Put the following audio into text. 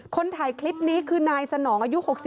คนถ่ายคลิปนี้คือนายสนองอายุ๖๒